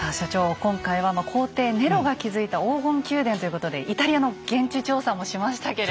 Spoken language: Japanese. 今回は皇帝ネロが築いた黄金宮殿ということでイタリアの現地調査もしましたけれど。